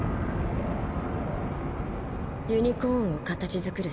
ユニコーンを形づくる